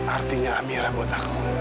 artinya amira buat aku